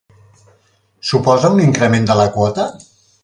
Suposa un increment de la quota?